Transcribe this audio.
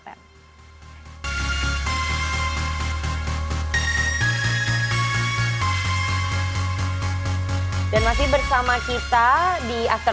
dan masih bersama kita di after sepuluh